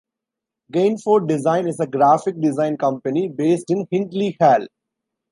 Gainford Design is a graphic design company based in Hindley Hall.